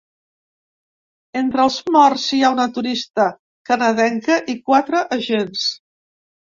Entre els morts hi ha una turista canadenca i quatre agents.